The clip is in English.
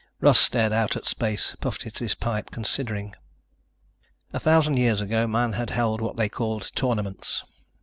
Russ stared out at space, puffed at his pipe, considering. A thousand years ago men had held what they called tournaments.